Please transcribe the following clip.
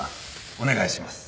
お願いします。